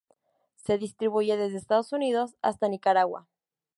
Se distribuye desde Estados Unidos hasta Nicaragua.